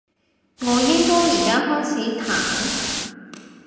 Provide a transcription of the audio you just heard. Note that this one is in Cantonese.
我應該而家開始彈？